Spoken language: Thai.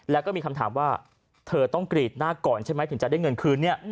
แล้วก็มีคำถามว่าเธอต้องกรีดหน้าก่อนใช่ไหมถึงจะได้เงินคืน